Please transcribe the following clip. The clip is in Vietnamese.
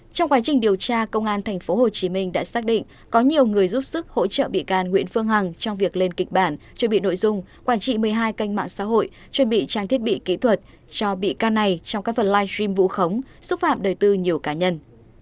trong quá trình điều tra công an tp hcm đã xác định có nhiều người giúp sức hỗ trợ bị can nguyễn phương hằng trong việc lên kịch bản chuẩn bị nội dung quản trị một mươi hai kênh mạng xã hội chuẩn bị trang thiết bị kỹ thuật cho bị can này trong các phần live stream vu khống xúc phạm đời tư nhiều cá nhân